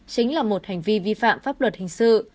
chính là một hành vi vi phạm pháp luật hình sự